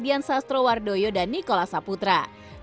dian sastrowardoyo dan nikola saputra